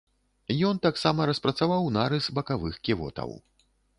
Ён таксама распрацаваў нарыс бакавых ківотаў.